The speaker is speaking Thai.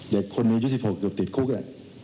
เด็กคนมี๒๖จะติดคุกอ่ะ